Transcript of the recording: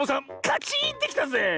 カチーンってきたぜえ。